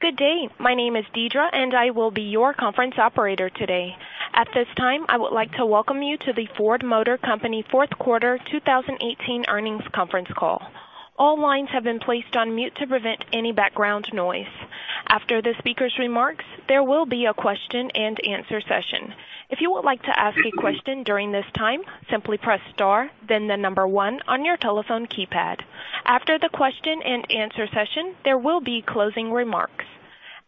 Good day. My name is Deidre, and I will be your conference operator today. At this time, I would like to welcome you to the Ford Motor Company fourth quarter 2018 earnings conference call. All lines have been placed on mute to prevent any background noise. After the speaker's remarks, there will be a question and answer session. If you would like to ask a question during this time, simply press star, then the number one on your telephone keypad. After the question and answer session, there will be closing remarks.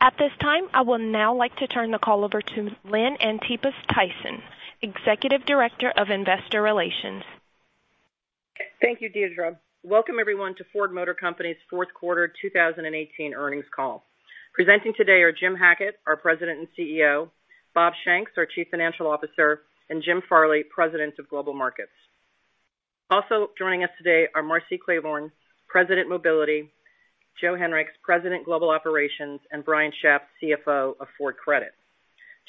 At this time, I will now like to turn the call over to Lynn Antipas Tyson, Executive Director of Investor Relations. Thank you, Deidre. Welcome everyone to Ford Motor Company's fourth quarter 2018 earnings call. Presenting today are Jim Hackett, our President and CEO, Bob Shanks, our Chief Financial Officer, and Jim Farley, President of Global Markets. Also joining us today are Marcy Klevorn, President, Mobility, Joe Hinrichs, President, Global Operations, and Brian Schaaf, CFO of Ford Credit.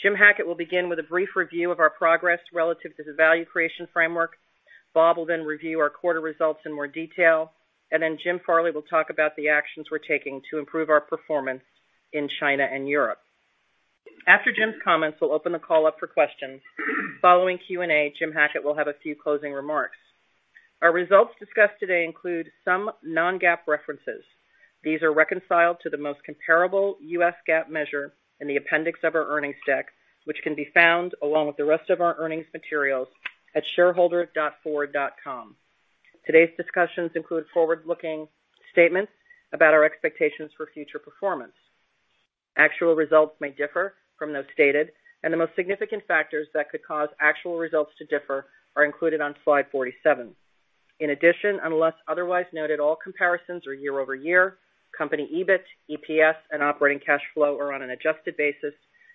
Jim Hackett will begin with a brief review of our progress relative to the value creation framework. Bob will then review our quarter results in more detail, and then Jim Farley will talk about the actions we're taking to improve our performance in China and Europe. After Jim's comments, we'll open the call up for questions. Following Q&A, Jim Hackett will have a few closing remarks. Our results discussed today include some non-GAAP references. These are reconciled to the most comparable U.S. GAAP measure in the appendix of our earnings deck, which can be found along with the rest of our earnings materials at shareholder.ford.com. Today's discussions include forward-looking statements about our expectations for future performance. Actual results may differ from those stated, and the most significant factors that could cause actual results to differ are included on slide 47. In addition, unless otherwise noted, all comparisons are year-over-year. Company EBIT, EPS, and operating cash flow are on an adjusted basis,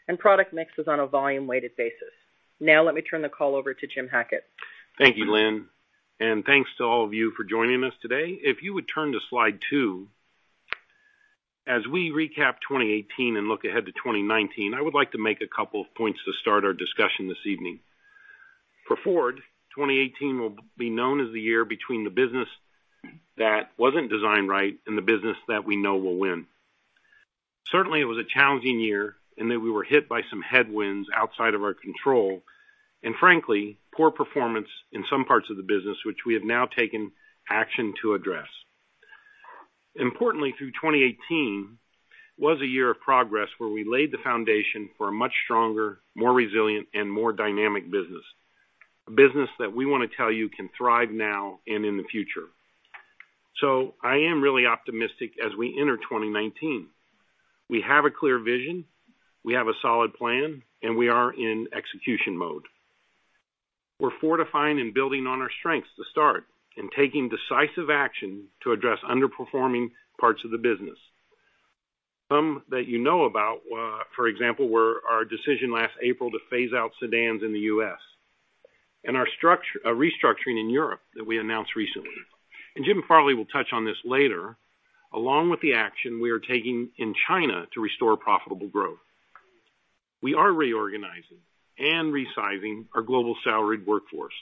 and product mix is on a volume-weighted basis. Now let me turn the call over to Jim Hackett. Thank you, Lynn, and thanks to all of you for joining us today. If you would turn to slide two. As we recap 2018 and look ahead to 2019, I would like to make a couple of points to start our discussion this evening. For Ford, 2018 will be known as the year between the business that wasn't designed right and the business that we know will win. Certainly, it was a challenging year in that we were hit by some headwinds outside of our control, and frankly, poor performance in some parts of the business, which we have now taken action to address. Importantly, through 2018 was a year of progress where we laid the foundation for a much stronger, more resilient, and more dynamic business. A business that we want to tell you can thrive now and in the future. I am really optimistic as we enter 2019. We have a clear vision, we have a solid plan, we are in execution mode. We're fortifying and building on our strengths to start and taking decisive action to address underperforming parts of the business. Some that you know about, for example, were our decision last April to phase out sedans in the U.S. and our restructuring in Europe that we announced recently. Jim Farley will touch on this later, along with the action we are taking in China to restore profitable growth. We are reorganizing and resizing our global salaried workforce,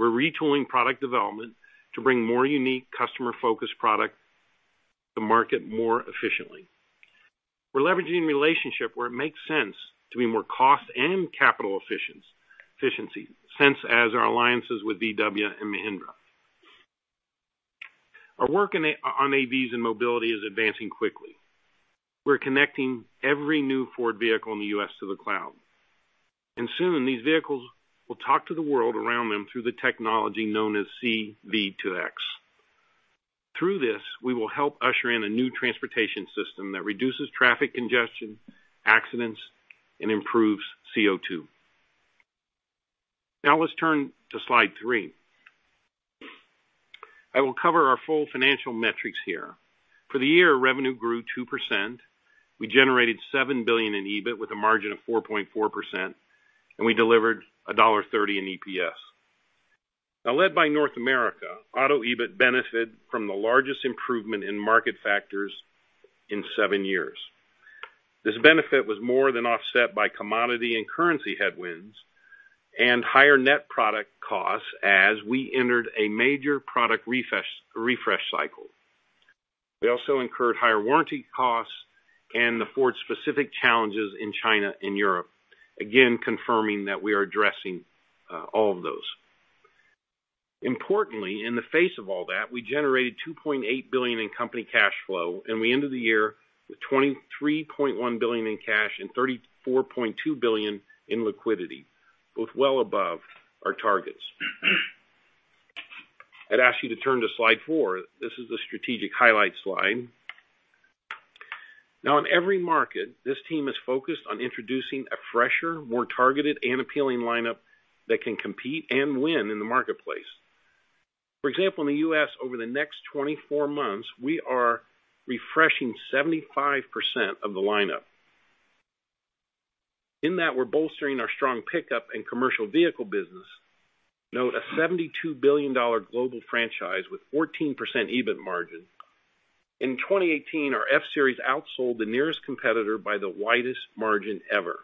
we're retooling product development to bring more unique customer-focused product to market more efficiently. We're leveraging relationship where it makes sense to be more cost and capital efficiency, such as our alliances with VW and Mahindra. Our work on AVs and mobility is advancing quickly. We're connecting every new Ford vehicle in the U.S. to the cloud. Soon, these vehicles will talk to the world around them through the technology known as C-V2X. Through this, we will help usher in a new transportation system that reduces traffic congestion, accidents, improves CO2. Let's turn to slide three. I will cover our full financial metrics here. For the year, revenue grew 2%, we generated $7 billion in EBIT with a margin of 4.4%, we delivered $1.30 in EPS. Led by North America, Auto EBIT benefited from the largest improvement in market factors in seven years. This benefit was more than offset by commodity and currency headwinds and higher net product costs as we entered a major product refresh cycle. We also incurred higher warranty costs, the Ford specific challenges in China and Europe. Again, confirming that we are addressing all of those. Importantly, in the face of all that, we generated $2.8 billion in company cash flow, we ended the year with $23.1 billion in cash and $34.2 billion in liquidity, both well above our targets. I'd ask you to turn to slide four. This is the strategic highlights slide. In every market, this team is focused on introducing a fresher, more targeted, appealing lineup that can compete and win in the marketplace. For example, in the U.S., over the next 24 months, we are refreshing 75% of the lineup. In that, we're bolstering our strong pickup and commercial vehicle business. Note a $72 billion global franchise with 14% EBIT margin. In 2018, our F-Series outsold the nearest competitor by the widest margin ever.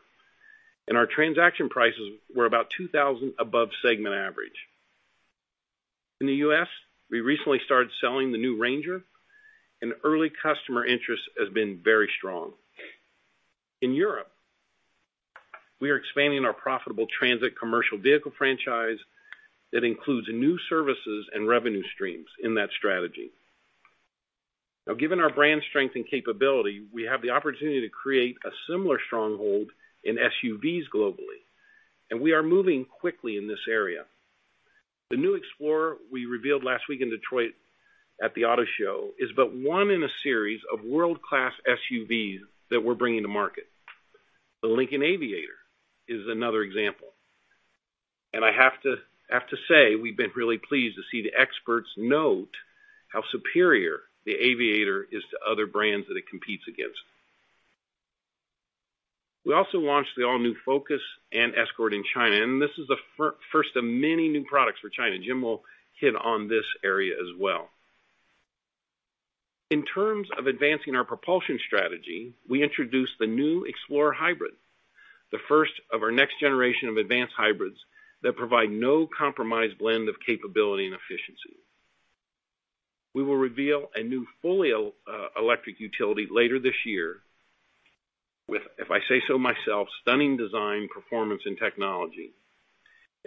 Our transaction prices were about $2,000 above segment average. In the U.S., we recently started selling the new Ranger, early customer interest has been very strong. In Europe, we are expanding our profitable Transit commercial vehicle franchise that includes new services and revenue streams in that strategy. Given our brand strength and capability, we have the opportunity to create a similar stronghold in SUVs globally, we are moving quickly in this area. The new Explorer we revealed last week in Detroit at the Auto Show is but one in a series of world-class SUVs that we're bringing to market. The Lincoln Aviator is another example. I have to say, we've been really pleased to see the experts note how superior the Aviator is to other brands that it competes against. We also launched the all-new Focus and Escort in China, this is the first of many new products for China. Jim will hit on this area as well. In terms of advancing our propulsion strategy, we introduced the new Explorer Hybrid, the first of our next generation of advanced hybrids that provide no-compromise blend of capability and efficiency. We will reveal a new fully electric utility later this year with, if I say so myself, stunning design, performance, and technology.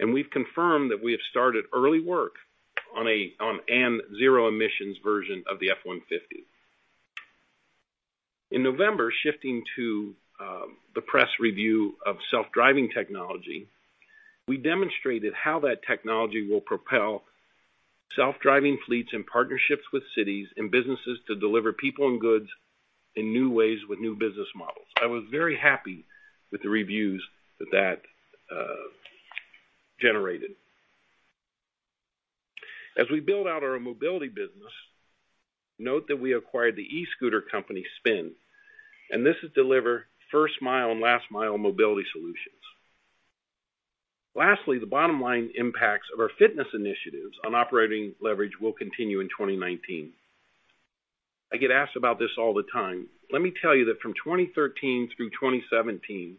We've confirmed that we have started early work on an zero-emissions version of the F-150. In November, shifting to the press review of self-driving technology, we demonstrated how that technology will propel self-driving fleets in partnerships with cities and businesses to deliver people and goods in new ways with new business models. I was very happy with the reviews that generated. As we build out our mobility business, note that we acquired the e-scooter company, Spin, and this will deliver first-mile and last-mile mobility solutions. Lastly, the bottom line impacts of our fitness initiatives on operating leverage will continue in 2019. I get asked about this all the time. Let me tell you that from 2013 through 2017,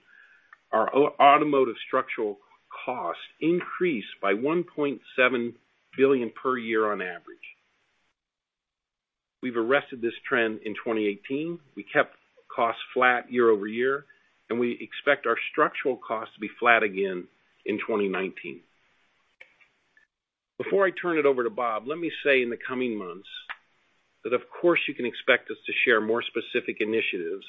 our automotive structural costs increased by $1.7 billion per year on average. We've arrested this trend in 2018. We kept costs flat year-over-year. We expect our structural costs to be flat again in 2019. Before I turn it over to Bob, let me say in the coming months that of course you can expect us to share more specific initiatives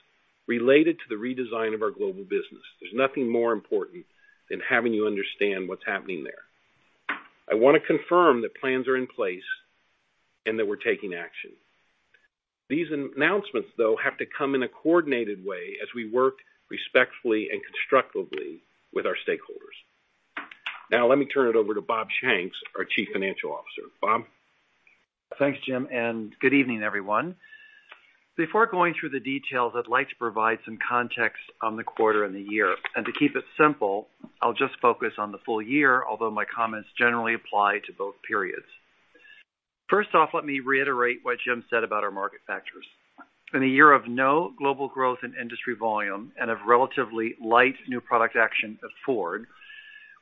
related to the redesign of our global business. There's nothing more important than having you understand what's happening there. I want to confirm that plans are in place and that we're taking action. These announcements, though, have to come in a coordinated way as we work respectfully and constructively with our stakeholders. Let me turn it over to Bob Shanks, our Chief Financial Officer. Bob? Thanks, Jim, and good evening, everyone. Before going through the details, I'd like to provide some context on the quarter and the year. To keep it simple, I'll just focus on the full year, although my comments generally apply to both periods. First off, let me reiterate what Jim said about our market factors. In a year of no global growth in industry volume and of relatively light new product action of Ford,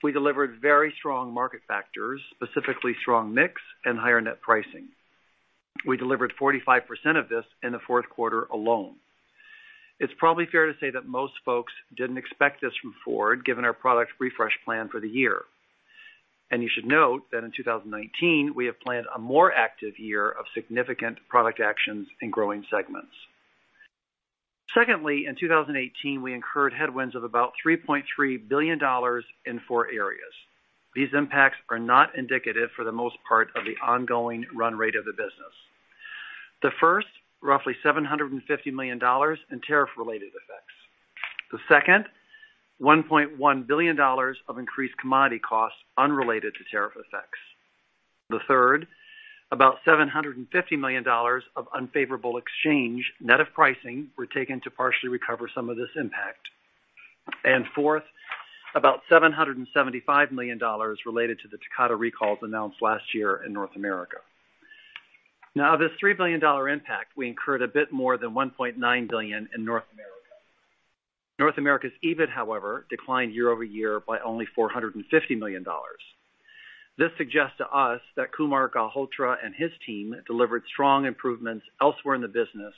we delivered very strong market factors, specifically strong mix and higher net pricing. We delivered 45% of this in the fourth quarter alone. It's probably fair to say that most folks didn't expect this from Ford, given our product refresh plan for the year. You should note that in 2019, we have planned a more active year of significant product actions in growing segments. Secondly, in 2018, we incurred headwinds of about $3.3 billion in four areas. These impacts are not indicative for the most part of the ongoing run rate of the business. First, roughly $750 million in tariff-related effects. Second, $1.1 billion of increased commodity costs unrelated to tariff effects. Third, about $750 million of unfavorable exchange, net of pricing, were taken to partially recover some of this impact. Fourth, about $775 million related to the Takata recalls announced last year in North America. Of this $3 billion impact, we incurred a bit more than $1.9 billion in North America. North America's EBIT, however, declined year-over-year by only $450 million. This suggests to us that Kumar Galhotra and his team delivered strong improvements elsewhere in the business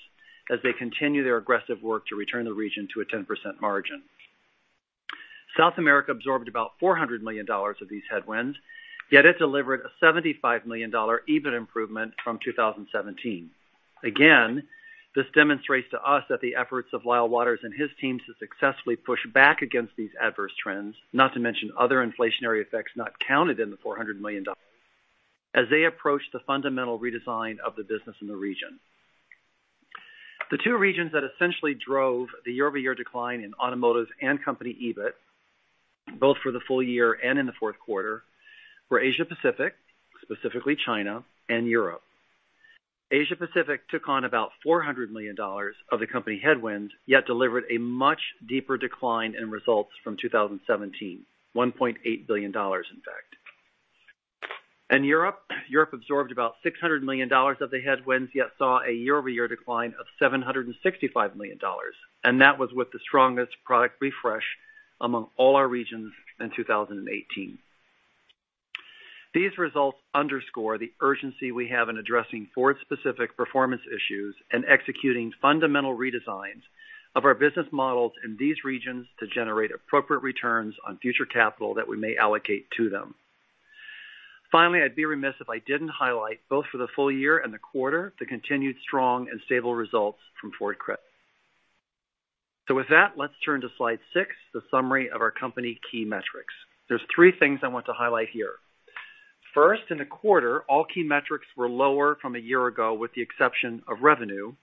as they continue their aggressive work to return the region to a 10% margin. South America absorbed about $400 million of these headwinds, yet it delivered a $75 million EBIT improvement from 2017. Again, this demonstrates to us that the efforts of Lyle Watters and his team to successfully push back against these adverse trends, not to mention other inflationary effects not counted in the $400 million, as they approach the fundamental redesign of the business in the region. The two regions that essentially drove the year-over-year decline in automotive and company EBIT, both for the full year and in the fourth quarter, were Asia Pacific, specifically China, and Europe. Asia Pacific took on about $400 million of the company headwind, yet delivered a much deeper decline in results from 2017, $1.8 billion, in fact. In Europe absorbed about $600 million of the headwinds, yet saw a year-over-year decline of $765 million, and that was with the strongest product refresh among all our regions in 2018. These results underscore the urgency we have in addressing Ford-specific performance issues and executing fundamental redesigns of our business models in these regions to generate appropriate returns on future capital that we may allocate to them. Finally, I'd be remiss if I didn't highlight both for the full year and the quarter, the continued strong and stable results from Ford Credit. With that, let's turn to slide six, the summary of our company key metrics. There's three things I want to highlight here. First, in the quarter, all key metrics were lower from a year ago, with the exception of revenue,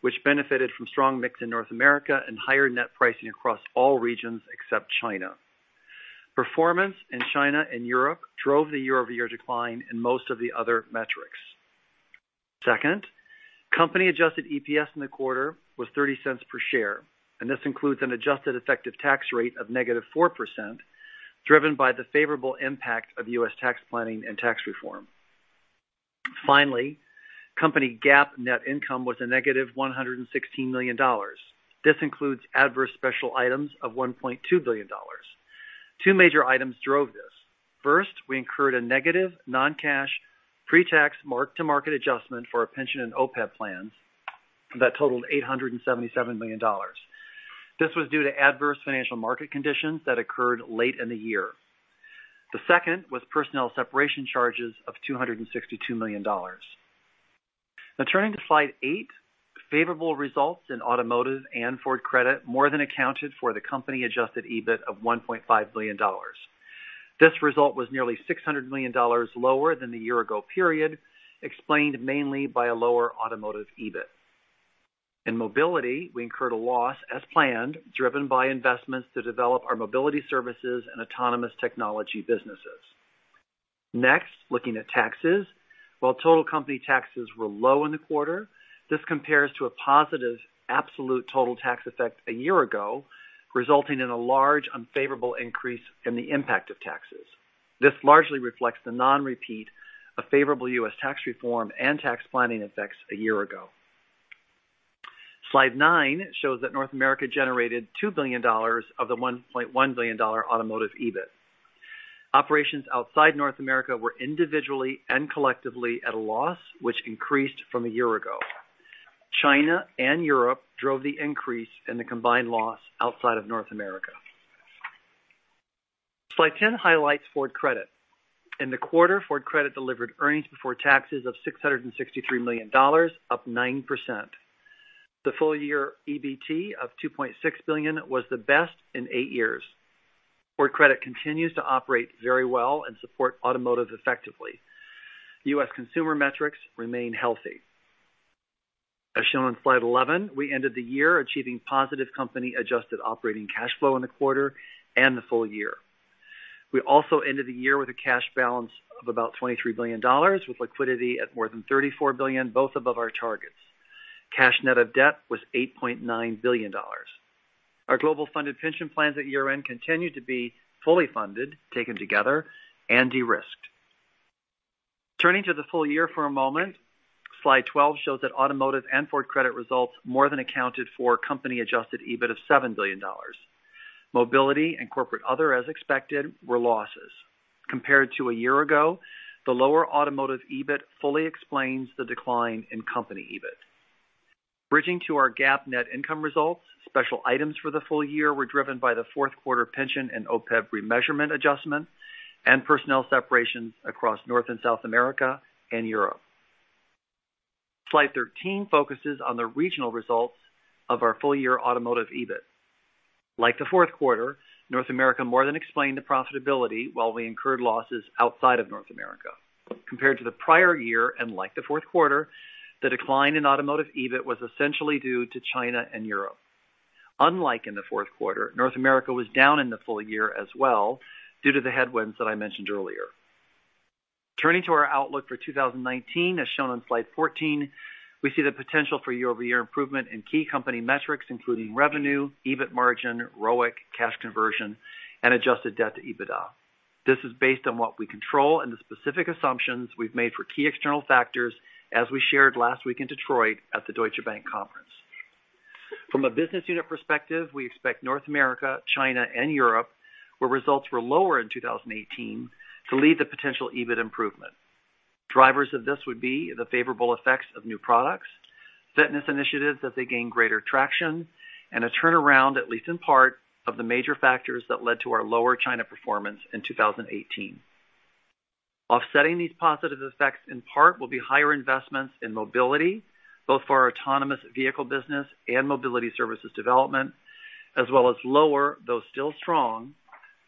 which benefited from strong mix in North America and higher net pricing across all regions except China. Performance in China and Europe drove the year-over-year decline in most of the other metrics. Second, company adjusted EPS in the quarter was $0.30 per share, and this includes an adjusted effective tax rate of negative 4%, driven by the favorable impact of U.S. tax planning and tax reform. Finally, company GAAP net income was a negative $116 million. This includes adverse special items of $1.2 billion. Two major items drove this. First, we incurred a negative non-cash pre-tax mark-to-market adjustment for our pension and OPEB plans that totaled $877 million. This was due to adverse financial market conditions that occurred late in the year. Second was personnel separation charges of $262 million. Turning to slide eight, favorable results in Automotive and Ford Credit more than accounted for the company-adjusted EBIT of $1.5 billion. This result was nearly $600 million lower than the year-ago period, explained mainly by a lower Automotive EBIT. In Mobility, we incurred a loss as planned, driven by investments to develop our mobility services and autonomous technology businesses. Looking at taxes. While total company taxes were low in the quarter, this compares to a positive absolute total tax effect a year ago, resulting in a large unfavorable increase in the impact of taxes. This largely reflects the non-repeat of favorable U.S. tax reform and tax planning effects a year ago. Slide nine shows that North America generated $2 billion of the $1.1 billion Automotive EBIT. Operations outside North America were individually and collectively at a loss, which increased from a year ago. China and Europe drove the increase in the combined loss outside of North America. Slide 10 highlights Ford Credit. In the quarter, Ford Credit delivered EBT of $663 million, up 9%. The full-year EBT of $2.6 billion was the best in eight years. Ford Credit continues to operate very well and support Automotive effectively. U.S. consumer metrics remain healthy. As shown on slide 11, we ended the year achieving positive company-adjusted operating cash flow in the quarter and the full year. We also ended the year with a cash balance of about $23 billion, with liquidity at more than $34 billion, both above our targets. Cash net of debt was $8.9 billion. Our global funded pension plans at year-end continued to be fully funded, taken together, and de-risked. Turning to the full year for a moment, slide 12 shows that Automotive and Ford Credit results more than accounted for a company-adjusted EBIT of $7 billion. Mobility and Corporate Other, as expected, were losses. Compared to a year ago, the lower Automotive EBIT fully explains the decline in company EBIT. Bridging to our GAAP net income results, special items for the full year were driven by the fourth quarter pension and OPEB remeasurement adjustments and personnel separations across North and South America and Europe. Slide 13 focuses on the regional results of our full-year Automotive EBIT. Like the fourth quarter, North America more than explained the profitability, while we incurred losses outside of North America. Compared to the prior year and like the fourth quarter, the decline in Automotive EBIT was essentially due to China and Europe. Unlike in the fourth quarter, North America was down in the full year as well due to the headwinds that I mentioned earlier. Our outlook for 2019, as shown on slide 14, we see the potential for year-over-year improvement in key company metrics, including revenue, EBIT margin, ROIC, cash conversion, and adjusted debt to EBITDA. This is based on what we control and the specific assumptions we've made for key external factors, as we shared last week in Detroit at the Deutsche Bank conference. From a business unit perspective, we expect North America, China, and Europe, where results were lower in 2018, to lead the potential EBIT improvement. Drivers of this would be the favorable effects of new products, fitness initiatives as they gain greater traction, and a turnaround, at least in part, of the major factors that led to our lower China performance in 2018. Offsetting these positive effects, in part, will be higher investments in Mobility, both for our autonomous vehicle business and mobility services development, as well as lower, though still strong,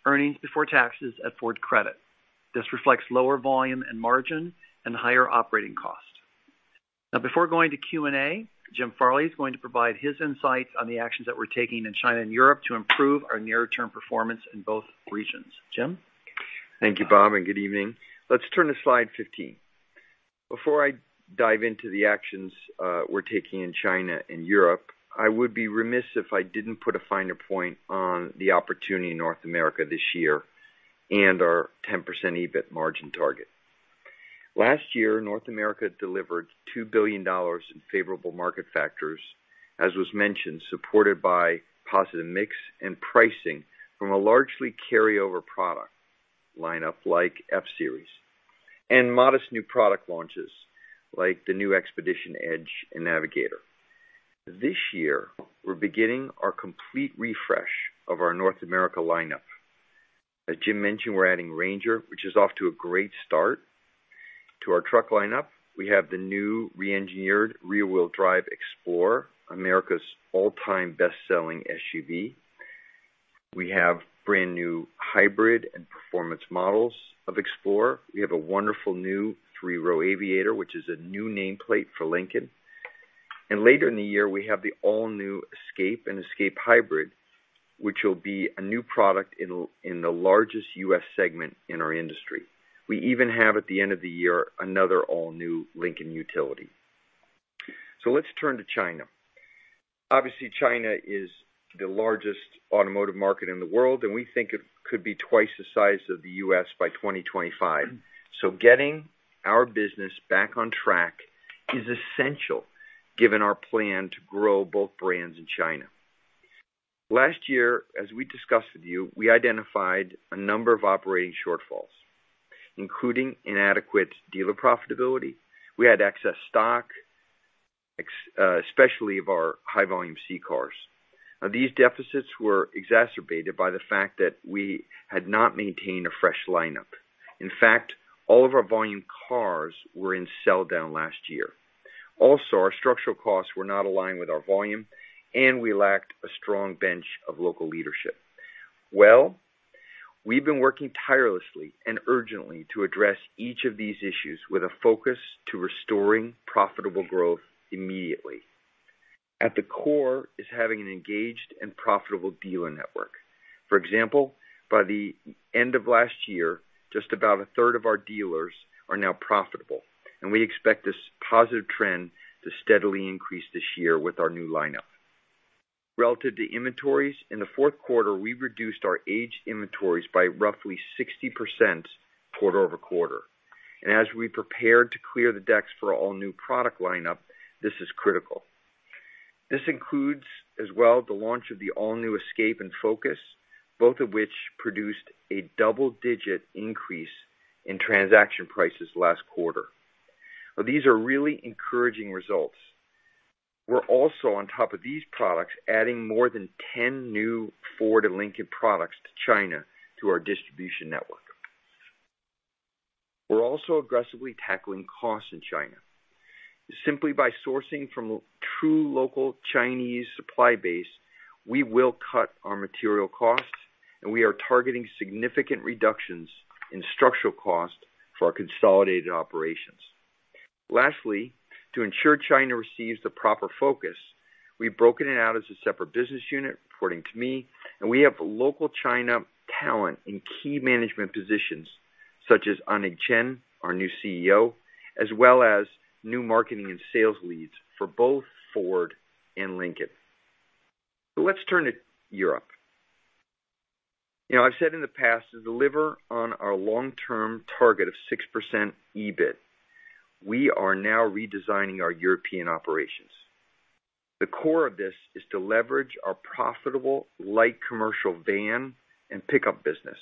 earnings before taxes at Ford Credit. This reflects lower volume and margin and higher operating costs. Before going to Q&A, Jim Farley is going to provide his insights on the actions that we're taking in China and Europe to improve our near-term performance in both regions. Jim? Thank you, Bob. Good evening. Let's turn to slide 15. Before I dive into the actions we're taking in China and Europe, I would be remiss if I didn't put a finer point on the opportunity in North America this year and our 10% EBIT margin target. Last year, North America delivered $2 billion in favorable market factors, as was mentioned, supported by positive mix and pricing from a largely carryover product lineup like F-Series, and modest new product launches like the new Expedition, Edge, and Navigator. This year, we're beginning our complete refresh of our North America lineup. As Jim mentioned, we're adding Ranger, which is off to a great start. To our truck lineup, we have the new re-engineered rear-wheel drive Explorer, America's all-time best-selling SUV. We have brand-new hybrid and performance models of Explorer. We have a wonderful new three-row Aviator, which is a new nameplate for Lincoln. Later in the year, we have the all-new Escape and Escape Hybrid, which will be a new product in the largest U.S. segment in our industry. We even have at the end of the year, another all-new Lincoln utility. Let's turn to China. Obviously, China is the largest automotive market in the world, and we think it could be twice the size of the U.S. by 2025. Getting our business back on track is essential given our plan to grow both brands in China. Last year, as we discussed with you, we identified a number of operating shortfalls, including inadequate dealer profitability. We had excess stock, especially of our high-volume C cars. These deficits were exacerbated by the fact that we had not maintained a fresh lineup. In fact, all of our volume cars were in sell-down last year. Also, our structural costs were not aligned with our volume, and we lacked a strong bench of local leadership. Well, we've been working tirelessly and urgently to address each of these issues with a focus to restoring profitable growth immediately. At the core is having an engaged and profitable dealer network. For example, by the end of last year, just about a third of our dealers are now profitable, and we expect this positive trend to steadily increase this year with our new lineup. Relative to inventories, in the fourth quarter, we reduced our aged inventories by roughly 60% quarter-over-quarter. As we prepare to clear the decks for our all-new product lineup, this is critical. This includes as well the launch of the all-new Escape and Focus, both of which produced a double-digit increase in transaction prices last quarter. Now, these are really encouraging results. We're also on top of these products, adding more than 10 new Ford and Lincoln products to China to our distribution network. We're also aggressively tackling costs in China. Simply by sourcing from a true local Chinese supply base, we will cut our material costs, and we are targeting significant reductions in structural cost for our consolidated operations. Lastly, to ensure China receives the proper focus, we've broken it out as a separate business unit reporting to me, and we have local China talent in key management positions such as Anning Chen, our new CEO, as well as new marketing and sales leads for both Ford and Lincoln. Let's turn to Europe. I've said in the past, to deliver on our long-term target of 6% EBIT, we are now redesigning our European operations. The core of this is to leverage our profitable light commercial van and pickup business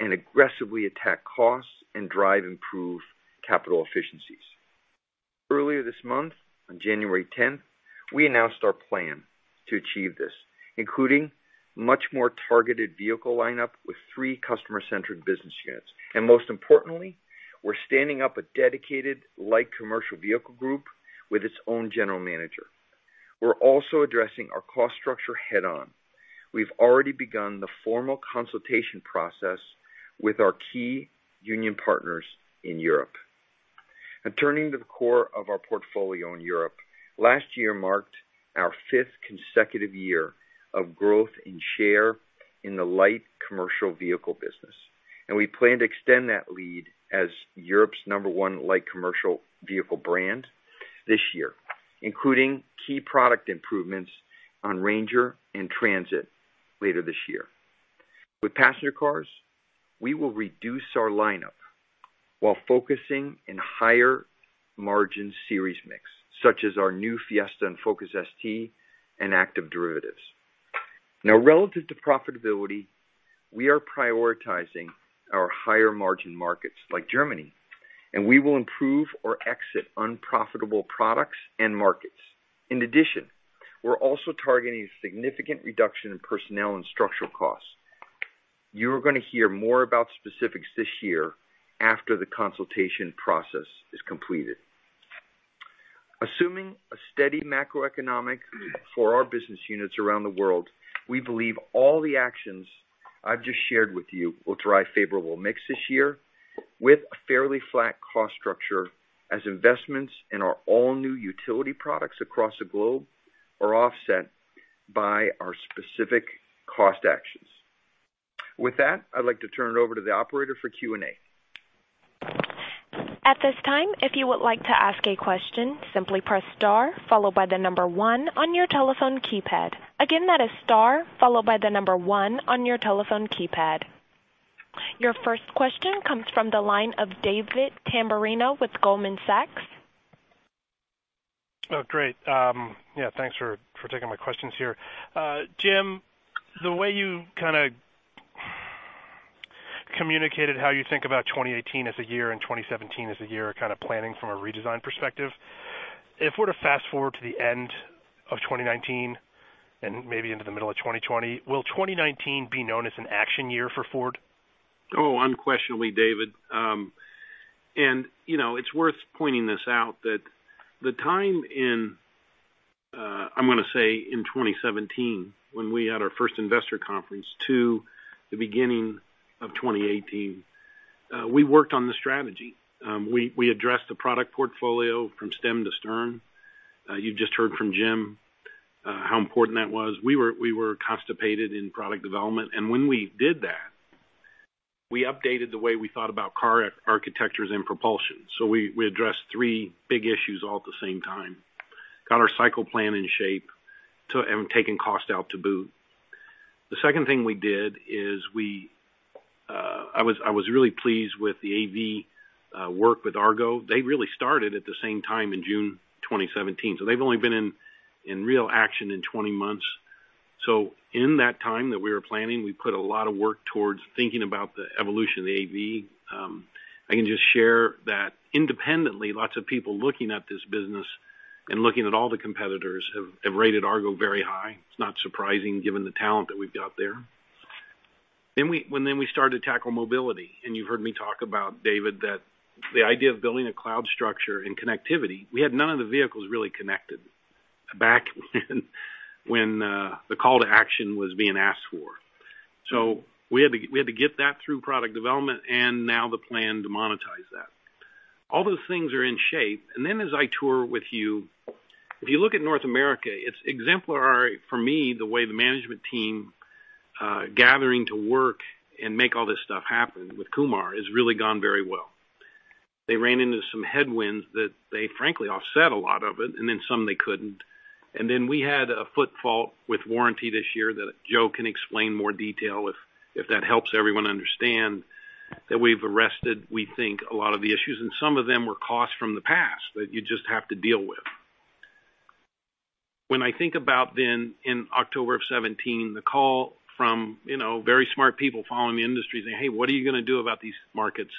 and aggressively attack costs and drive improved capital efficiencies. Earlier this month, on January 10th, we announced our plan to achieve this, including much more targeted vehicle lineup with three customer-centric business units. Most importantly, we're standing up a dedicated light commercial vehicle group with its own general manager. We're also addressing our cost structure head-on. We've already begun the formal consultation process with our key union partners in Europe. Now turning to the core of our portfolio in Europe, last year marked our fifth consecutive year of growth in share in the light commercial vehicle business, and we plan to extend that lead as Europe's number one light commercial vehicle brand this year, including key product improvements on Ranger and Transit later this year. With passenger cars, we will reduce our lineup while focusing in higher margin series mix, such as our new Fiesta and Focus ST, and active derivatives. Now, relative to profitability, we are prioritizing our higher-margin markets like Germany, and we will improve or exit unprofitable products and markets. In addition, we're also targeting a significant reduction in personnel and structural costs. You are going to hear more about specifics this year after the consultation process is completed. Assuming a steady macroeconomic for our business units around the world, we believe all the actions I've just shared with you will drive favorable mix this year with a fairly flat cost structure as investments in our all-new utility products across the globe are offset by our specific cost actions. With that, I'd like to turn it over to the operator for Q&A. At this time, if you would like to ask a question, simply press star followed by the number one on your telephone keypad. Again, that is star followed by the number one on your telephone keypad. Your first question comes from the line of David Tamberrino with Goldman Sachs. Oh, great. Yeah, thanks for taking my questions here. Jim, the way you kind of communicated how you think about 2018 as a year and 2017 as a year, kind of planning from a redesign perspective. If we're to fast-forward to the end of 2019 and maybe into the middle of 2020, will 2019 be known as an action year for Ford? Oh, unquestionably, David. It's worth pointing this out that the time in, I'm going to say in 2017, when we had our first investor conference to the beginning of 2018, we worked on the strategy. We addressed the product portfolio from stem to stern. You just heard from Jim how important that was. We were constipated in product development. When we did that, we updated the way we thought about car architectures and propulsion. We addressed three big issues all at the same time, got our cycle plan in shape, and taking cost out to boot. The second thing we did is, I was really pleased with the AV work with Argo. They really started at the same time in June 2017. They've only been in real action in 20 months. In that time that we were planning, we put a lot of work towards thinking about the evolution of the AV. I can just share that independently, lots of people looking at this business and looking at all the competitors have rated Argo very high. It's not surprising given the talent that we've got there. We started to tackle mobility. You've heard me talk about, David, that the idea of building a cloud structure and connectivity, we had none of the vehicles really connected back when the call to action was being asked for. We had to get that through product development and now the plan to monetize that. All those things are in shape. As I tour with you, if you look at North America, it's exemplary for me the way the management team gathering to work and make all this stuff happen with Kumar has really gone very well. They ran into some headwinds that they frankly offset a lot of it, some they couldn't. We had a foot fault with warranty this year that Joe can explain more detail if that helps everyone understand that we've arrested, we think, a lot of the issues, and some of them were costs from the past that you just have to deal with. When I think about then in October of 2017, the call from very smart people following the industry saying, "Hey, what are you going to do about these markets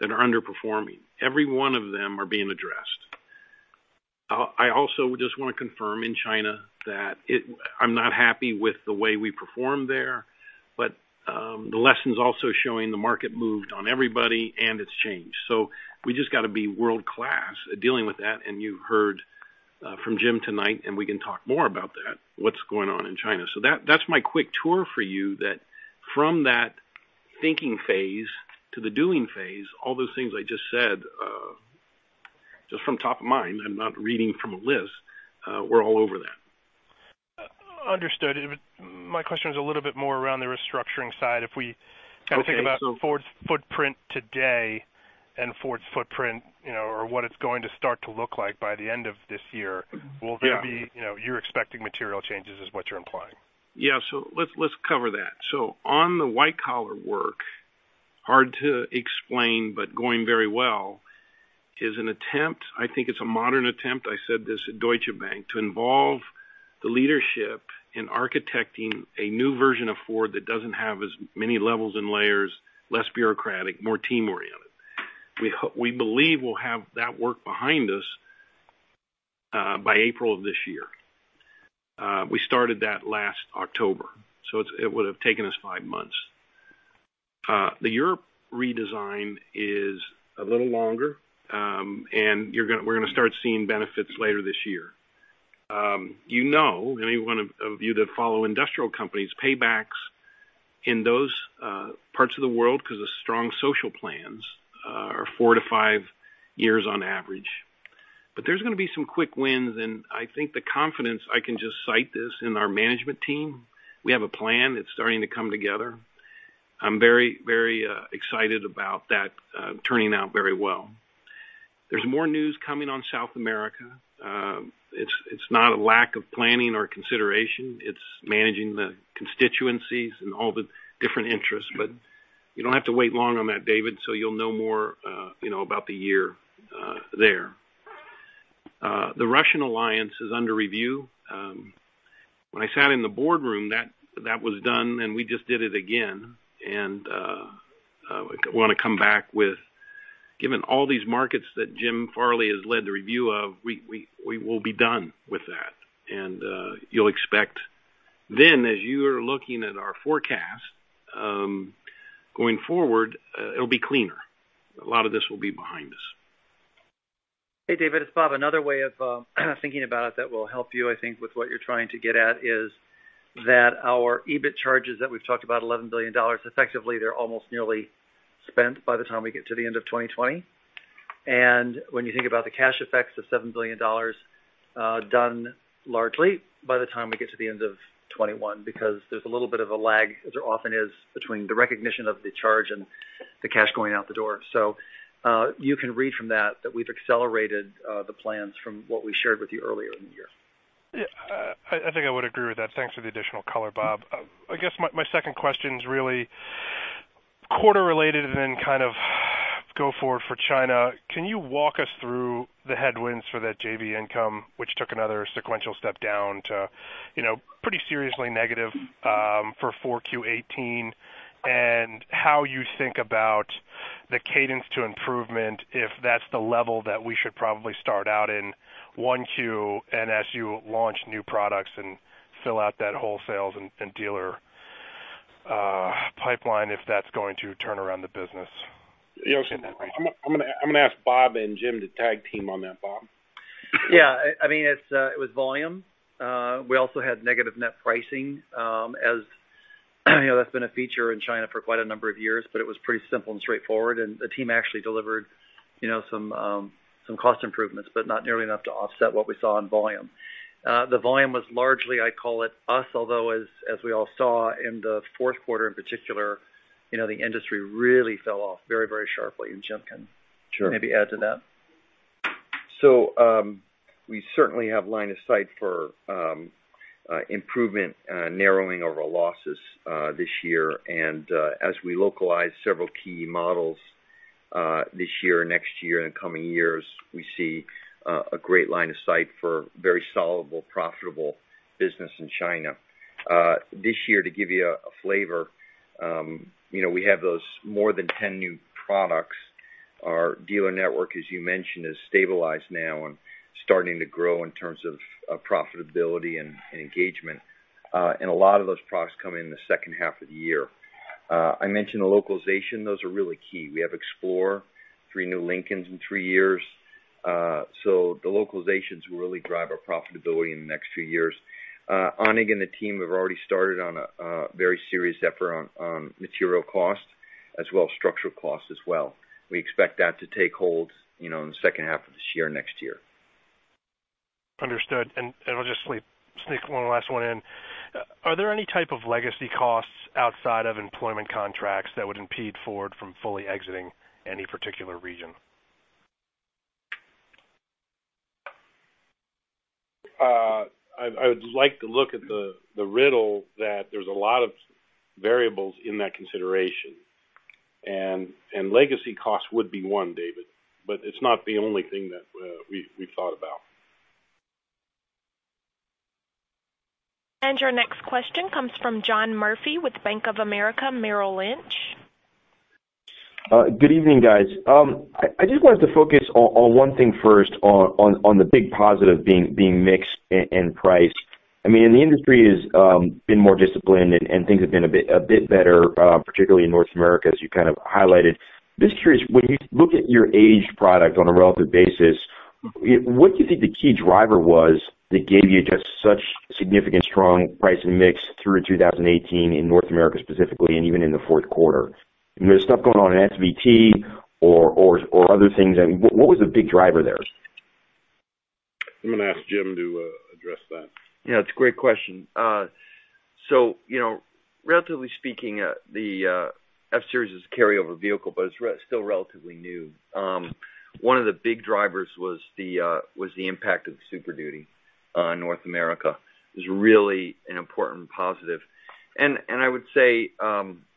that are underperforming?" Every one of them are being addressed. I also just want to confirm in China that I'm not happy with the way we performed there, the lesson's also showing the market moved on everybody and it's changed. We just got to be world-class at dealing with that. You heard from Jim tonight, and we can talk more about that, what's going on in China. That's my quick tour for you that from that thinking phase to the doing phase, all those things I just said, just from top of mind, I'm not reading from a list, we're all over that. Understood. My question is a little bit more around the restructuring side. Okay Think about Ford's footprint today and Ford's footprint or what it's going to start to look like by the end of this year. Yeah You're expecting material changes is what you're implying? Yeah. Let's cover that. On the white-collar work, hard to explain, but going very well, is an attempt, I think it's a modern attempt, I said this at Deutsche Bank, to involve the leadership in architecting a new version of Ford that doesn't have as many levels and layers, less bureaucratic, more team-oriented. We believe we'll have that work behind us by April of this year. We started that last October, so it would have taken us five months. The Europe redesign is a little longer, and we're going to start seeing benefits later this year. You know, any one of you that follow industrial companies, paybacks in those parts of the world because of strong social plans are four to five years on average. There's going to be some quick wins and I think the confidence I can just cite this in our management team. We have a plan that's starting to come together. I'm very excited about that turning out very well. There's more news coming on South America. It's not a lack of planning or consideration. It's managing the constituencies and all the different interests. You don't have to wait long on that, David, so you'll know more about the year there. The Russian alliance is under review. When I sat in the boardroom, that was done and we just did it again. I want to come back with, given all these markets that Jim Farley has led the review of, we will be done with that. You'll expect then as you are looking at our forecast going forward, it'll be cleaner. A lot of this will be behind us. Hey, David, it's Bob. Another way of thinking about it that will help you, I think, with what you're trying to get at is that our EBIT charges that we've talked about, $11 billion, effectively they're almost nearly spent by the time we get to the end of 2020. When you think about the cash effects of $7 billion done largely by the time we get to the end of 2021, because there's a little bit of a lag, as there often is between the recognition of the charge and the cash going out the door. You can read from that we've accelerated the plans from what we shared with you earlier in the year. Yeah. I think I would agree with that. Thanks for the additional color, Bob. I guess my second question is really quarter related and then kind of go forward for China. Can you walk us through the headwinds for that JV income, which took another sequential step down to pretty seriously negative, for 4Q 2018? How you think about the cadence to improvement, if that's the level that we should probably start out in 1Q, as you launch new products and fill out that wholesale and dealer pipeline, if that's going to turn around the business. Yeah. I'm going to ask Bob and Jim to tag team on that, Bob. Yeah. It was volume. We also had negative net pricing, as that's been a feature in China for quite a number of years, but it was pretty simple and straightforward. The team actually delivered some cost improvements, but not nearly enough to offset what we saw in volume. The volume was largely, I call it us, although, as we all saw in the fourth quarter in particular, the industry really fell off very sharply. Sure. Maybe add to that. We certainly have line of sight for improvement, narrowing of our losses this year. As we localize several key models, this year, or next year, in the coming years, we see a great line of sight for very solvable, profitable business in China. This year, to give you a flavor, we have those more than 10 new products. Our dealer network, as you mentioned, has stabilized now and starting to grow in terms of profitability and engagement. A lot of those products come in the second half of the year. I mentioned the localization. Those are really key. We have Explorer, three new Lincolns in three years. The localizations will really drive our profitability in the next few years. Anning and the team have already started on a very serious effort on material cost, as well as structural cost as well. We expect that to take hold in the second half of this year, next year. Understood. I'll just sneak one last one in. Are there any type of legacy costs outside of employment contracts that would impede Ford from fully exiting any particular region? I would like to look at the riddle that there's a lot of variables in that consideration. Legacy cost would be one, David, but it's not the only thing that we've thought about. Our next question comes from John Murphy with Bank of America Merrill Lynch. Good evening, guys. I just wanted to focus on one thing first on the big positive being mixed and priced. The industry has been more disciplined and things have been a bit better, particularly in North America, as you kind of highlighted. Just curious, when you look at your aged product on a relative basis, what do you think the key driver was that gave you just such significant, strong price and mix through 2018 in North America specifically, and even in the fourth quarter? There's stuff going on in SVT or other things. What was the big driver there? I'm going to ask Jim to address that. It's a great question. Relatively speaking, the F-Series is a carryover vehicle, but it's still relatively new. One of the big drivers was the impact of the Super Duty on North America. It was really an important positive. I would say,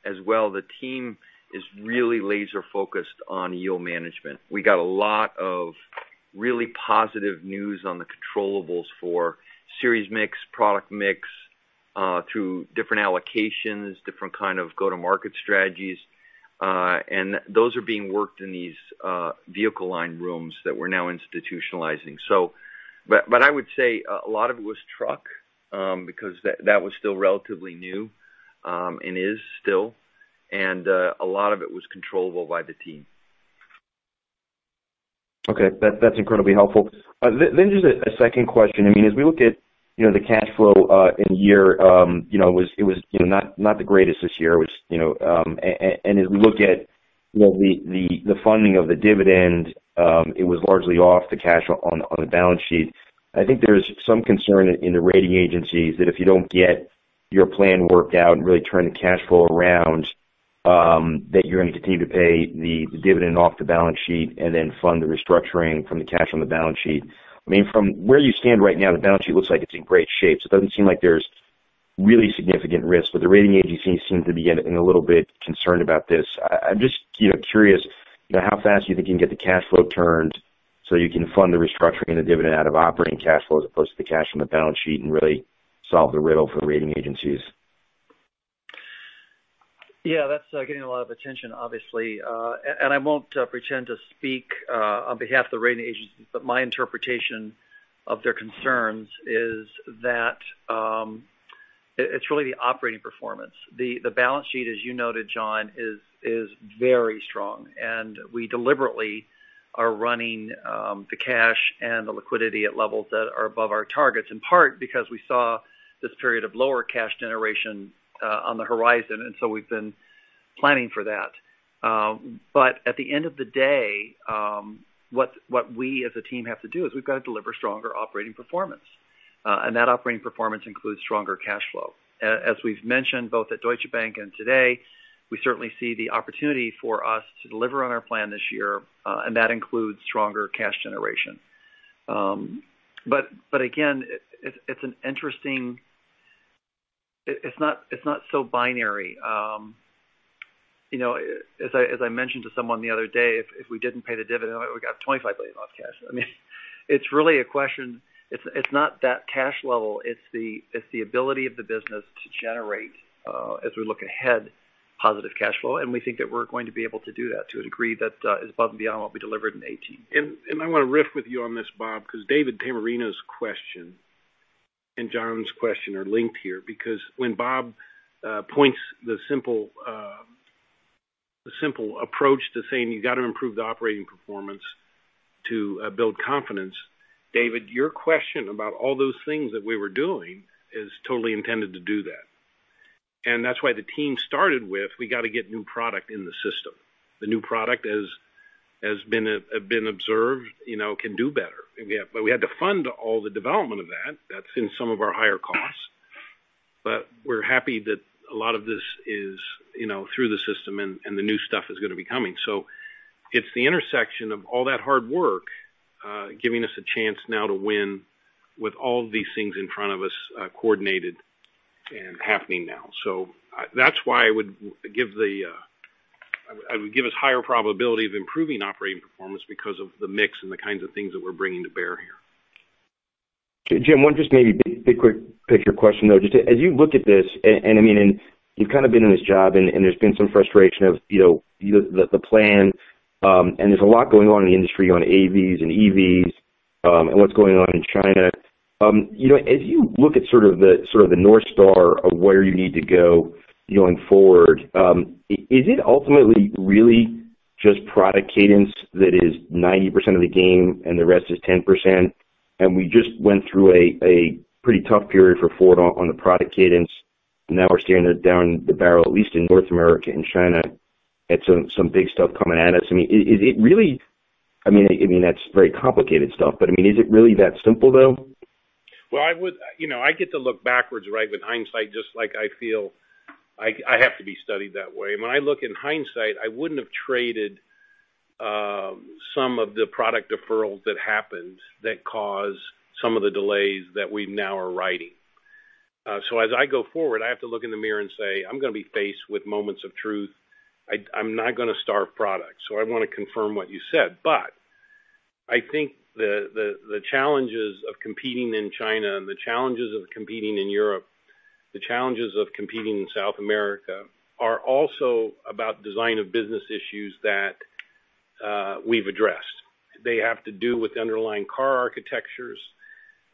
as well, the team is really laser-focused on yield management. We got a lot of really positive news on the controllables for series mix, product mix, through different allocations, different kind of go-to-market strategies. Those are being worked in these vehicle line rooms that we're now institutionalizing. I would say a lot of it was truck, because that was still relatively new, and is still. A lot of it was controllable by the team. Okay. That's incredibly helpful. Just a second question. As we look at the cash flow in the year, it was not the greatest this year. As we look at the funding of the dividend, it was largely off the cash on the balance sheet. I think there's some concern in the rating agencies that if you don't get your plan worked out and really turn the cash flow around, that you're going to continue to pay the dividend off the balance sheet and then fund the restructuring from the cash on the balance sheet. From where you stand right now, the balance sheet looks like it's in great shape, so it doesn't seem like there's really significant risk. The rating agencies seem to be getting a little bit concerned about this. I'm just curious how fast you think you can get the cash flow turned so you can fund the restructuring and the dividend out of operating cash flow as opposed to the cash on the balance sheet and really solve the riddle for the rating agencies. That's getting a lot of attention, obviously. I won't pretend to speak on behalf of the rating agencies, my interpretation of their concerns is that it's really the operating performance. The balance sheet, as you noted, John, is very strong, we deliberately are running the cash and the liquidity at levels that are above our targets, in part because we saw this period of lower cash generation on the horizon. We've been planning for that. At the end of the day, what we as a team have to do is we've got to deliver stronger operating performance. That operating performance includes stronger cash flow. As we've mentioned both at Deutsche Bank and today, we certainly see the opportunity for us to deliver on our plan this year, that includes stronger cash generation. Again, it's not so binary. As I mentioned to someone the other day, if we didn't pay the dividend, we got $25 billion of cash. It's not that cash level, it's the ability of the business to generate, as we look ahead, positive cash flow. We think that we're going to be able to do that to a degree that is above and beyond what we delivered in 2018. I want to riff with you on this, Bob, because David Tamberrino's question and John's question are linked here, because when Bob points the simple approach to saying you got to improve the operating performance to build confidence, David, your question about all those things that we were doing is totally intended to do that. That's why the team started with, we got to get new product in the system. The new product, as has been observed, can do better. We had to fund all the development of that. That's in some of our higher costs. We're happy that a lot of this is through the system and the new stuff is going to be coming. It's the intersection of all that hard work giving us a chance now to win with all of these things in front of us coordinated and happening now. That's why I would give us higher probability of improving operating performance because of the mix and the kinds of things that we're bringing to bear here. Jim, one just maybe quick picture question, though. As you look at this, you've kind of been in this job and there's been some frustration of the plan, and there's a lot going on in the industry on AVs and EVs, and what's going on in China. As you look at sort of the North Star of where you need to go going forward, is it ultimately really just product cadence that is 90% of the game and the rest is 10%? We just went through a pretty tough period for Ford on the product cadence. Now we're staring down the barrel, at least in North America and China, at some big stuff coming at us. That's very complicated stuff, is it really that simple, though? I get to look backwards, with hindsight, just like I feel I have to be studied that way. When I look in hindsight, I wouldn't have traded some of the product deferrals that happened that caused some of the delays that we now are righting. As I go forward, I have to look in the mirror and say, "I'm going to be faced with moments of truth. I'm not going to starve products." I want to confirm what you said. I think the challenges of competing in China and the challenges of competing in Europe, the challenges of competing in South America are also about design of business issues that we've addressed. They have to do with underlying car architectures,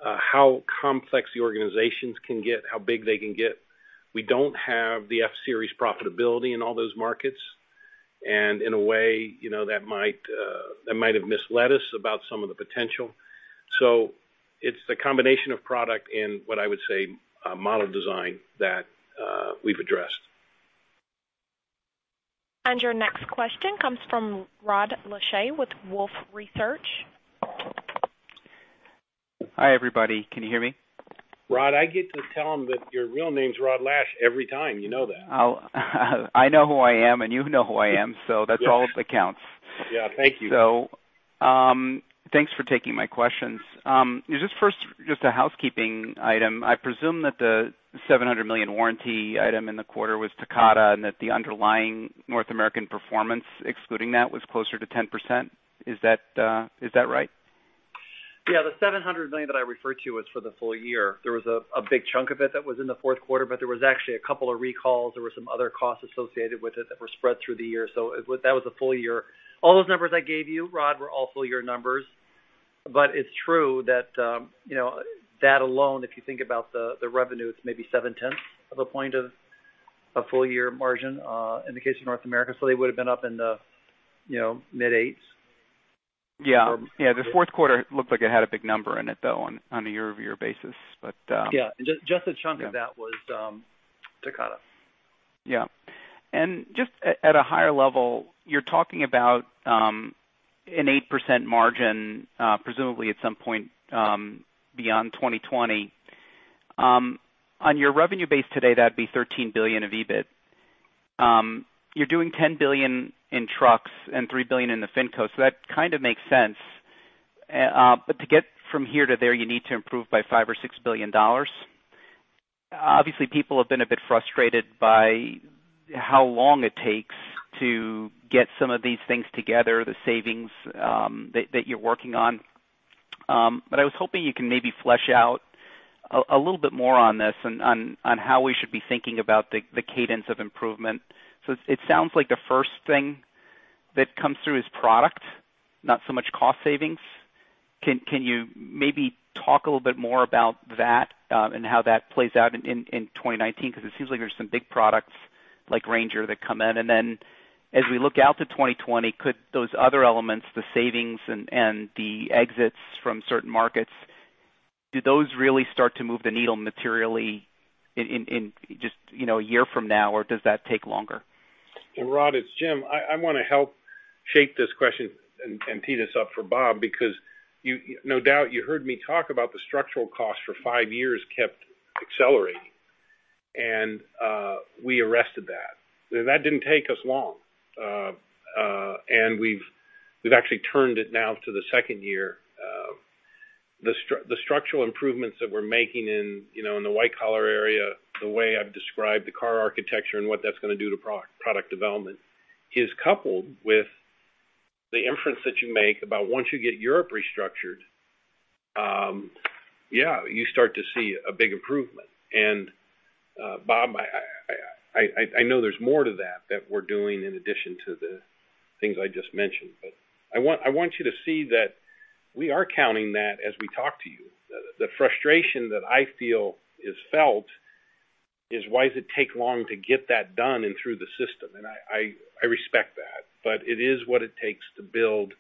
how complex the organizations can get, how big they can get. We don't have the F-Series profitability in all those markets. In a way, that might have misled us about some of the potential. It's the combination of product and what I would say model design that we've addressed. Your next question comes from Rod Lache with Wolfe Research. Hi, everybody. Can you hear me? Rod, I get to tell them that your real name's Rod Lache every time, you know that. I know who I am and you know who I am, that's all that counts. Yeah. Thank you. Thanks for taking my questions. Just first, just a housekeeping item. I presume that the $700 million warranty item in the quarter was Takata, and that the underlying North American performance, excluding that, was closer to 10%. Is that right? Yeah. The $700 million that I referred to was for the full year. There was a big chunk of it that was in the fourth quarter, but there was actually a couple of recalls. There were some other costs associated with it that were spread through the year. That was a full year. All those numbers I gave you, Rod, were all full year numbers. It's true that that alone, if you think about the revenue, it's maybe seven-tenths of a point of a full year margin in the case of North America. They would've been up in the mid eights. Yeah. The fourth quarter looked like it had a big number in it, though, on a year-over-year basis. Yeah. Just a chunk of that was Takata. Yeah. Just at a higher level, you're talking about an 8% margin, presumably at some point, beyond 2020. On your revenue base today, that'd be $13 billion of EBIT. You're doing $10 billion in trucks and $3 billion in the FinCo, that kind of makes sense. To get from here to there, you need to improve by $5 or $6 billion. Obviously, people have been a bit frustrated by how long it takes to get some of these things together, the savings that you're working on. I was hoping you can maybe flesh out a little bit more on this on how we should be thinking about the cadence of improvement. It sounds like the first thing that comes through is product, not so much cost savings. Can you maybe talk a little bit more about that and how that plays out in 2019? It seems like there's some big products like Ranger that come in. As we look out to 2020, could those other elements, the savings and the exits from certain markets, do those really start to move the needle materially in just a year from now, or does that take longer? Well, Rod, it's Jim. I want to help shape this question and tee this up for Bob, because no doubt you heard me talk about the structural costs for five years kept accelerating. We arrested that, and that didn't take us long. We've actually turned it now to the second year. The structural improvements that we're making in the white collar area, the way I've described the car architecture and what that's going to do to product development is coupled with the inference that you make about once you get Europe restructured, you start to see a big improvement. Bob, I know there's more to that we're doing in addition to the things I just mentioned. I want you to see that we are counting that as we talk to you. The frustration that I feel is felt is why does it take long to get that done and through the system? I respect that, but it is what it takes to build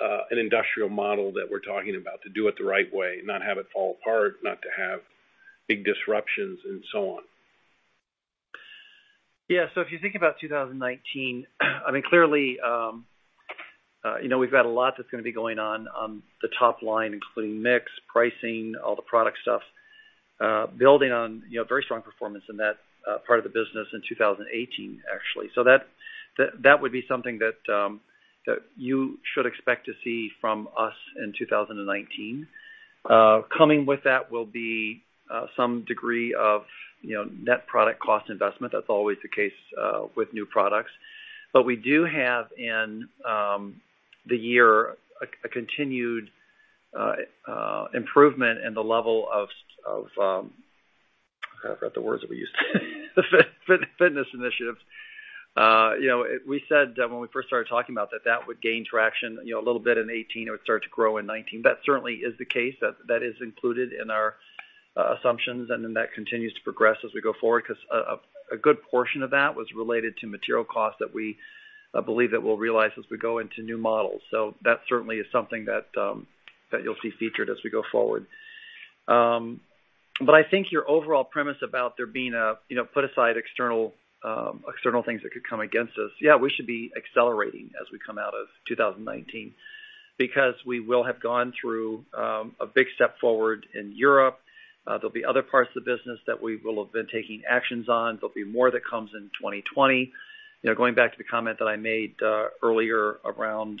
an industrial model that we're talking about, to do it the right way, not have it fall apart, not to have big disruptions and so on. If you think about 2019, clearly we've got a lot that's going to be going on the top line, including mix, pricing, all the product stuff, building on very strong performance in that part of the business in 2018, actually. That would be something that you should expect to see from us in 2019. Coming with that will be some degree of net product cost investment. That's always the case with new products. We do have in the year a continued improvement in the level of, I forgot the words that we used, fitness initiatives. We said when we first started talking about that would gain traction a little bit in 2018, it would start to grow in 2019. That certainly is the case. That is included in our assumptions, that continues to progress as we go forward because a good portion of that was related to material costs that we'll realize as we go into new models. That certainly is something that you'll see featured as we go forward. I think your overall premise about there being a, put aside external things that could come against us. Yeah, we should be accelerating as we come out of 2019 because we will have gone through a big step forward in Europe. There'll be other parts of the business that we will have been taking actions on. There'll be more that comes in 2020. Going back to the comment that I made earlier around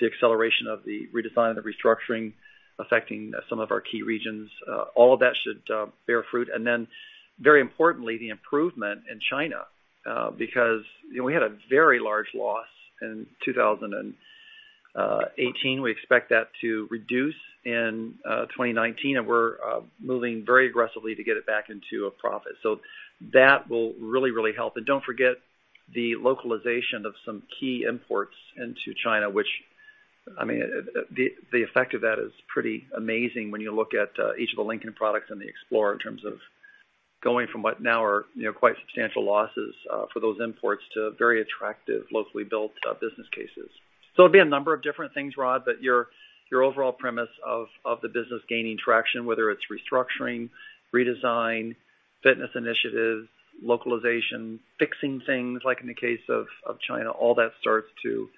the acceleration of the redesign of the restructuring affecting some of our key regions, all of that should bear fruit. Very importantly, the improvement in China, because we had a very large loss in 2018. We expect that to reduce in 2019, we're moving very aggressively to get it back into a profit. That will really help. Don't forget the localization of some key imports into China, which, the effect of that is pretty amazing when you look at each of the Lincoln products and the Explorer in terms of going from what now are quite substantial losses for those imports to very attractive, locally built business cases. It'll be a number of different things, Rod, but your overall premise of the business gaining traction, whether it's restructuring, redesign, fitness initiatives, localization, fixing things like in the case of China, all that starts to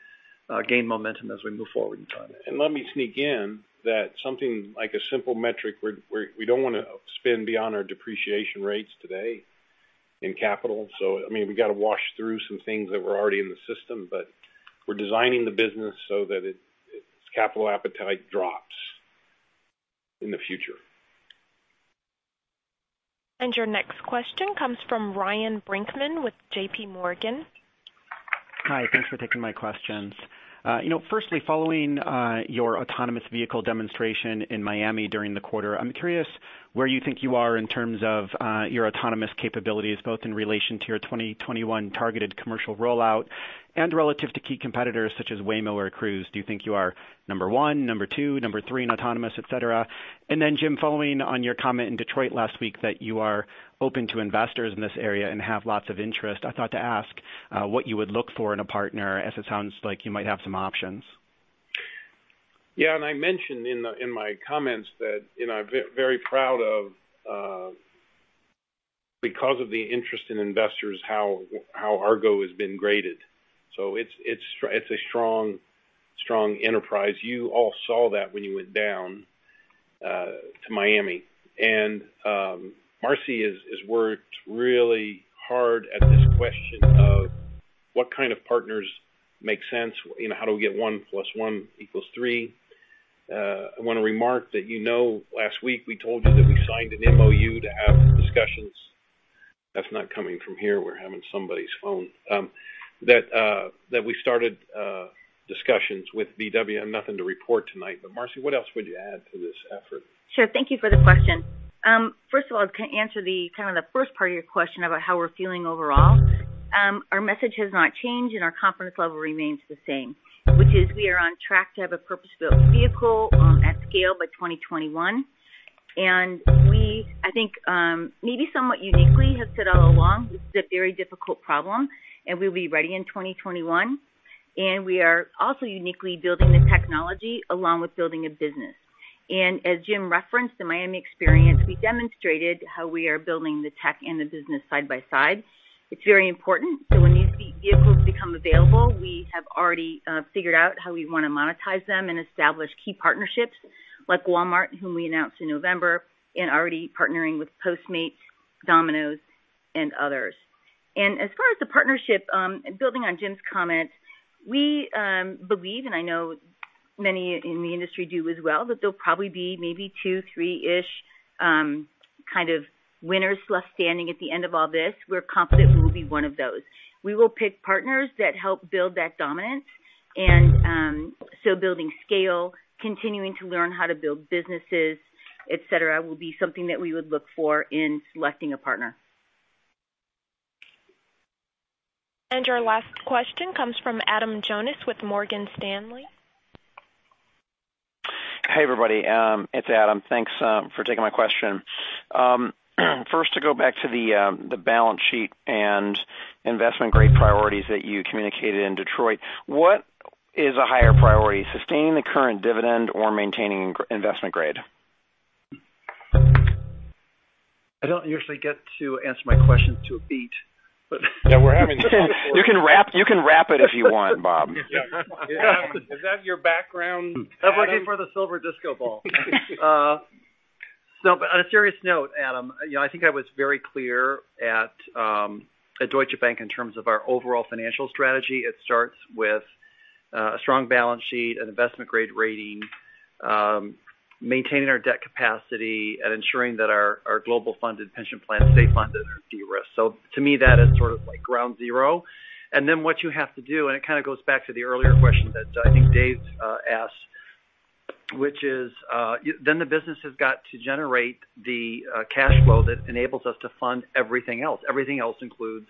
gain momentum as we move forward in time. Let me sneak in that something like a simple metric, we don't want to spend beyond our depreciation rates today in capital. We got to wash through some things that were already in the system, but we're designing the business so that its capital appetite drops in the future. Your next question comes from Ryan Brinkman with JPMorgan. Hi. Thanks for taking my questions. Following your autonomous vehicle demonstration in Miami during the quarter, I'm curious where you think you are in terms of your autonomous capabilities, both in relation to your 2021 targeted commercial rollout and relative to key competitors such as Waymo or Cruise. Do you think you are number one, number two, number three in autonomous, et cetera? Jim, following on your comment in Detroit last week that you are open to investors in this area and have lots of interest, I thought to ask what you would look for in a partner, as it sounds like you might have some options. Yeah, I mentioned in my comments that I'm very proud of because of the interest in investors, how Argo has been graded. It's a strong enterprise. You all saw that when you went down to Miami. Marcy has worked really hard at this question of what kind of partners make sense. How do we get one plus one equals three? I want to remark that you know last week we told you that we signed an MOU to have discussions. That's not coming from here. We're having somebody's phone. We started discussions with VW. I have nothing to report tonight, but Marcy, what else would you add to this effort? Sure. Thank you for the question. To answer the first part of your question about how we're feeling overall. Our message has not changed, and our confidence level remains the same, which is we are on track to have a purpose-built vehicle at scale by 2021. We, I think, maybe somewhat uniquely have said all along, this is a very difficult problem, and we'll be ready in 2021. And we are also uniquely building the technology along with building a business. As Jim referenced, the Miami experience, we demonstrated how we are building the tech and the business side by side. It's very important. When these vehicles become available, we have already figured out how we want to monetize them and establish key partnerships like Walmart, whom we announced in November, and already partnering with Postmates, Domino's, and others. As far as the partnership, building on Jim's comment, we believe, and I know many in the industry do as well, that there'll probably be maybe two, three-ish kind of winners left standing at the end of all this. We're confident we will be one of those. We will pick partners that help build that dominance. Building scale, continuing to learn how to build businesses, et cetera, will be something that we would look for in selecting a partner. Our last question comes from Adam Jonas with Morgan Stanley. Hey, everybody. It's Adam. Thanks for taking my question. First, to go back to the balance sheet and investment-grade priorities that you communicated in Detroit, what is a higher priority, sustaining the current dividend or maintaining investment grade? I don't usually get to answer my questions to a beat. Yeah. You can rap it if you want, Bob. Is that your background, Adam? On a serious note, Adam, I think I was very clear at Deutsche Bank in terms of our overall financial strategy. It starts with a strong balance sheet, an investment-grade rating, maintaining our debt capacity, and ensuring that our global funded pension plans stay funded and are de-risked. To me, that is sort of like ground zero. What you have to do, and it kind of goes back to the earlier question that I think David asked, which is, then the business has got to generate the cash flow that enables us to fund everything else. Everything else includes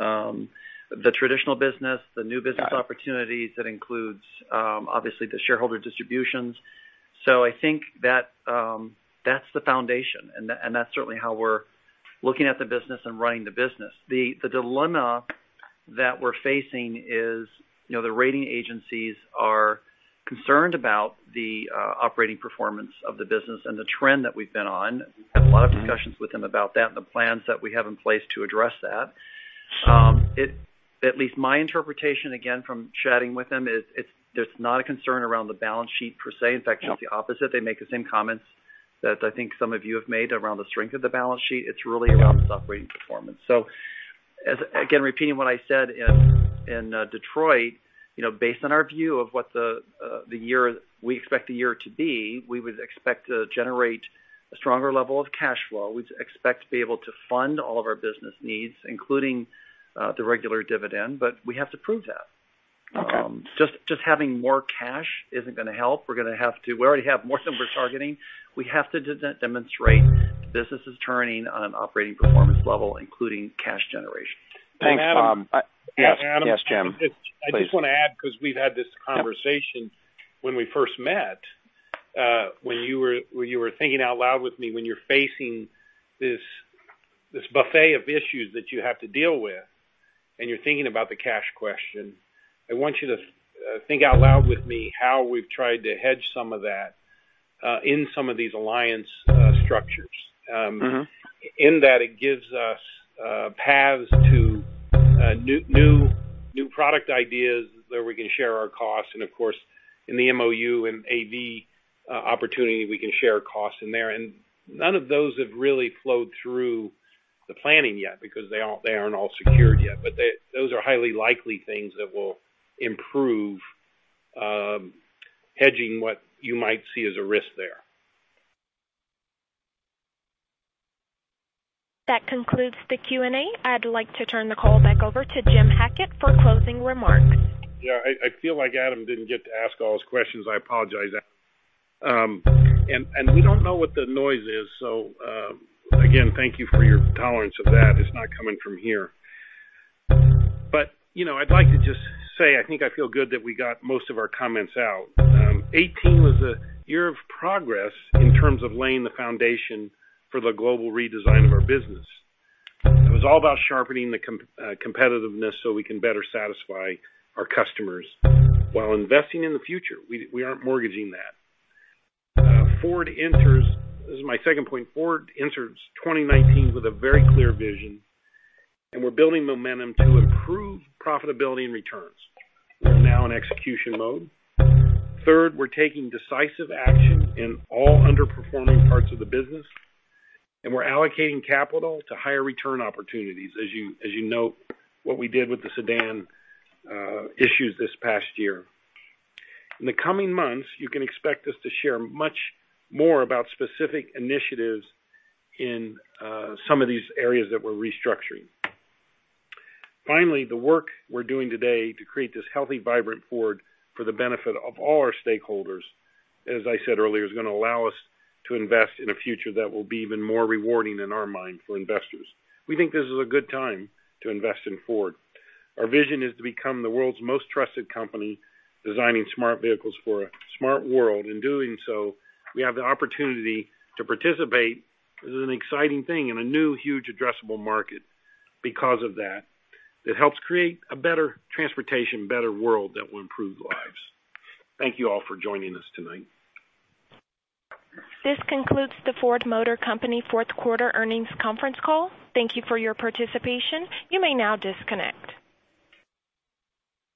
the traditional business, the new business opportunities. That includes, obviously, the shareholder distributions. I think that's the foundation, and that's certainly how we're looking at the business and running the business. The dilemma that we're facing is the rating agencies are concerned about the operating performance of the business and the trend that we've been on. We've had a lot of discussions with them about that and the plans that we have in place to address that. At least my interpretation, again, from chatting with them is there's not a concern around the balance sheet per se. In fact, just the opposite. They make the same comments that I think some of you have made around the strength of the balance sheet. It's really around this operating performance. Again, repeating what I said in Detroit, based on our view of what we expect the year to be, we would expect to generate a stronger level of cash flow. We'd expect to be able to fund all of our business needs, including the regular dividend, but we have to prove that. Okay. Just having more cash isn't gonna help. We already have more than we're targeting. We have to demonstrate the business is turning on an operating performance level, including cash generation. Thanks, Bob. Hey, Adam. Yes, Jim. Please. I just want to add, because we've had this conversation when we first met, when you were thinking out loud with me, when you're facing this buffet of issues that you have to deal with and you're thinking about the cash question. I want you to think out loud with me how we've tried to hedge some of that in some of these alliance structures. In that it gives us paths to new product ideas where we can share our costs. Of course, in the MOU and AV opportunity, we can share costs in there. None of those have really flowed through the planning yet because they aren't all secured yet. Those are highly likely things that will improve hedging what you might see as a risk there. That concludes the Q&A. I'd like to turn the call back over to Jim Hackett for closing remarks. Yeah, I feel like Adam didn't get to ask all his questions. I apologize, Adam. We don't know what the noise is. Again, thank you for your tolerance of that. It's not coming from here. I'd like to just say, I think I feel good that we got most of our comments out. 2018 was a year of progress in terms of laying the foundation for the global redesign of our business. It was all about sharpening the competitiveness so we can better satisfy our customers while investing in the future. We aren't mortgaging that. This is my second point. Ford enters 2019 with a very clear vision, and we're building momentum to improve profitability and returns. We're now in execution mode. Third, we're taking decisive action in all underperforming parts of the business, and we're allocating capital to higher return opportunities, as you note what we did with the sedan issues this past year. In the coming months, you can expect us to share much more about specific initiatives in some of these areas that we're restructuring. Finally, the work we're doing today to create this healthy, vibrant Ford for the benefit of all our stakeholders, as I said earlier, is gonna allow us to invest in a future that will be even more rewarding in our mind for investors. We think this is a good time to invest in Ford. Our vision is to become the world's most trusted company, designing smart vehicles for a smart world. In doing so, we have the opportunity to participate, this is an exciting thing, in a new, huge addressable market because of that helps create a better transportation, better world that will improve lives. Thank you all for joining us tonight. This concludes the Ford Motor Company fourth quarter earnings conference call. Thank you for your participation. You may now disconnect.